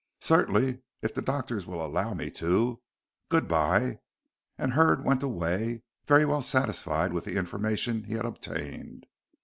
"Certainly, if the doctors will allow me to. Good bye," and Hurd went away very well satisfied with the information he had obtained.